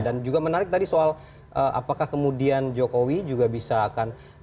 dan juga menarik tadi soal apakah kemudian jokowi juga bisa akan